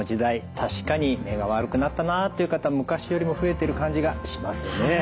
確かに目が悪くなったなっていう方昔よりも増えてる感じがしますよね。